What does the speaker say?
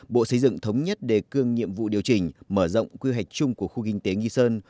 bộ xây dựng thống nhất đề cương nhiệm vụ điều chỉnh mở rộng quy hoạch chung của khu kinh tế nghi sơn